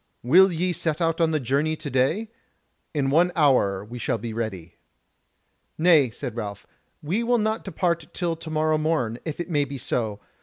Will ye set out on the journey to day? In one hour shall we be ready." "Nay," said Ralph, "we will not depart till tomorrow morn, if it may be so.